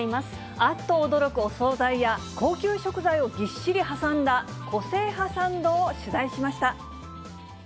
あっと驚くお総菜や、高級食材をぎっしり挟んだ、個性派サンドを取材しました。